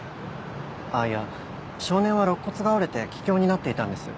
あいや少年は肋骨が折れて気胸になっていたんです。